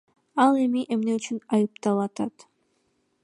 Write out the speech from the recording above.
Ал эми эмне үчүн айыпталат?